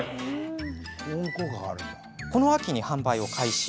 この秋に販売を開始。